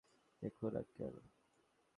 দেখুন, আংকেল।